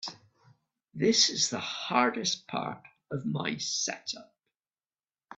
This is the hardest part of my setup.